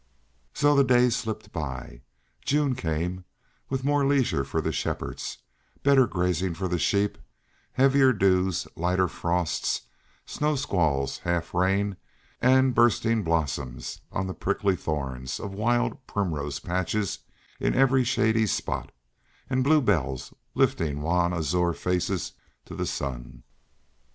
So the days slipped by. June came, with more leisure for the shepherds, better grazing for the sheep, heavier dews, lighter frosts, snow squalls half rain, and bursting blossoms on the prickly thorns, wild primrose patches in every shady spot, and bluebells lifting wan azure faces to the sun.